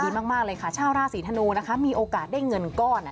มากเลยค่ะชาวราศีธนูนะคะมีโอกาสได้เงินก้อน